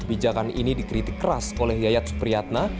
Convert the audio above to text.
kebijakan ini dikritik keras oleh yayat supriyatna